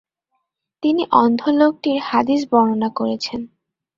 তিনি অন্ধ লোকটির হাদীস বর্ণনা করেছেন।